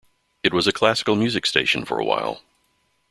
It was a classical music station for while.